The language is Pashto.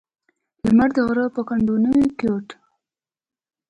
لمر د غره په کنډو نوی کېوت.